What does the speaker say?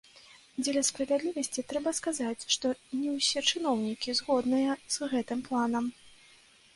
Дзеля справядлівасці трэба сказаць, што і не ўсе чыноўнікі згодныя з гэтым планам.